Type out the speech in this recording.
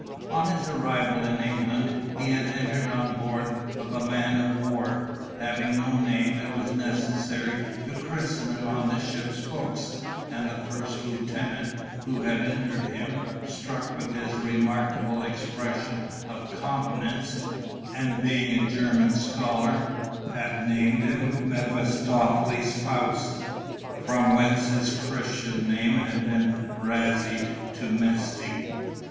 On his arrival in England he had entered on board of a man of war. Having no name, it was necessary to christen him on the ship's books, and the first lieutenant, who had entered him, struck with his remarkable expression of countenance, and being a German scholar, had named him Mephistopheles Faust, from whence his Christian name had been razéed to Mesty.